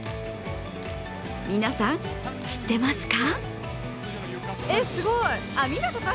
皆さん、知ってますか？